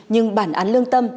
nhưng bản án lương tâm